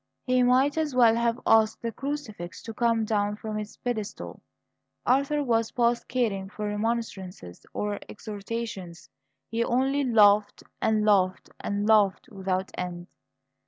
He might as well have asked the crucifix to come down from its pedestal. Arthur was past caring for remonstrances or exhortations; he only laughed, and laughed, and laughed without end.